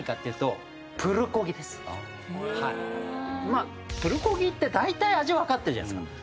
まあプルコギって大体味わかってるじゃないですか。